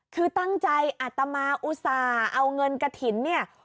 คือตั้งใจอัตมาอุตส่าห์เอาเงินกระถิ่นเนี่ย